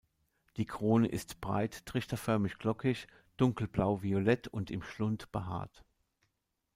Die Krone ist breit trichterförmig-glockig, dunkel blauviolett und im Schlund behaart.